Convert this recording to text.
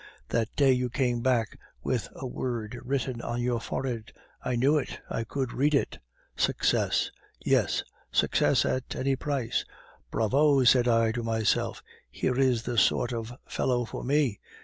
That day you came back with a word written on your forehead. I knew it, I could read it 'Success!' Yes, success at any price. 'Bravo,' said I to myself, 'here is the sort of fellow for me.